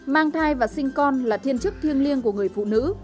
mang thai và sinh con là thiên chức thiêng liêng của người phụ nữ